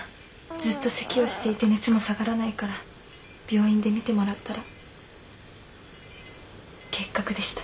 ずっとせきをしていて熱も下がらないから病院で診てもらったら結核でした。